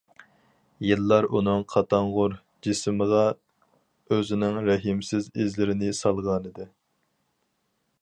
يىللار ئۇنىڭ قاتاڭغۇر جىسمىغا ئۆزىنىڭ رەھىمسىز ئىزلىرىنى سالغانىدى.